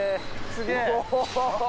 すげえ。